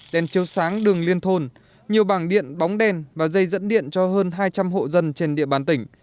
đèn chiếu sáng đường liên thôn nhiều bảng điện bóng đen và dây dẫn điện cho hơn hai trăm linh hộ dân trên địa bàn tỉnh